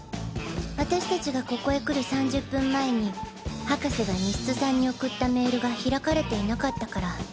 私たちがここへ来る３０分前に博士が西津さんに送ったメールが開かれていなかったから。